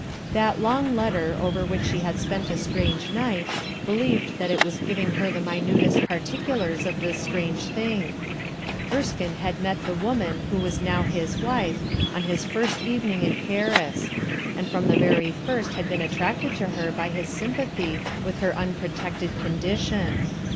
That long letter over which she had spent a strange night, believed that it was giving her the minutest particulars of this strange th'mtr Erskine had met the woman who was now his wife on his first evening in Paris, and from the very first had been attracted to her by his sym pathy with her unprotected condition.